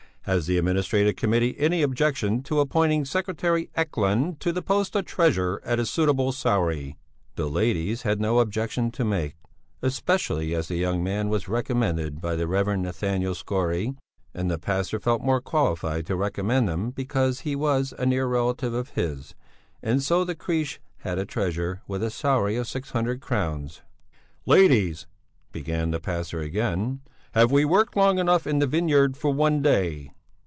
Has the Administrative Committee any objection to appointing secretary Ekelund to the post of treasurer at a suitable salary?" The ladies had no objection to make, especially as the young man was recommended by the Rev. Nathanael Skore; and the Pastor felt the more qualified to recommend him because he was a near relative of his. And so the Crèche had a treasurer with a salary of six hundred crowns. "Ladies," began the pastor again, "have we worked long enough in the vineyard for one day?"